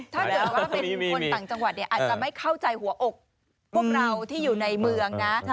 ถ้าเกิดว่าเป็นคนต่างจังหวัดเนี่ยอาจจะไม่เข้าใจหัวอกพวกเราที่อยู่ในเมืองนะ